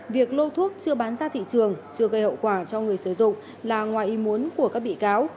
việc lôi thuốc chưa bán ra thị trường chưa gây hậu quả cho người sử dụng là ngoài ý muốn của các bị cáo